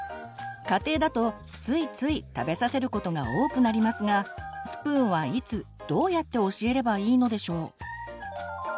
家庭だとついつい食べさせることが多くなりますがスプーンはいつどうやって教えればいいのでしょう？